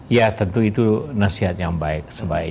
ya tentu itu nasihat yang baik